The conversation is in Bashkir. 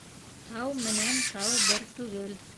Тау менән тау бер түгел.